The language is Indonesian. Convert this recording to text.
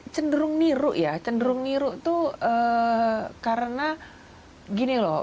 cenderung niru ya cenderung niru tuh karena gini loh